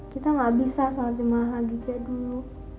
kita gak bisa soal cemalah lagi kayak dulu